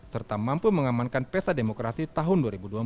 serta mampu mengamankan pesa demokrasi tahun dua ribu dua puluh empat